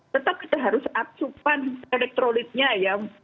tetap kita harus asupan elektrolitnya ya